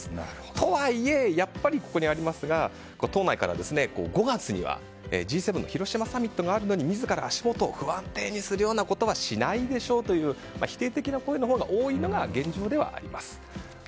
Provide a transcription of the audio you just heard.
とはいえ、やっぱり党内から５月にはＧ７の広島サミットがあるのに自ら足元を不安定にするようなことはしないでしょうという否定的な声のほうが多いのが現状ではあります。